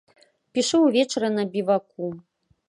Пішу ўвечары на біваку.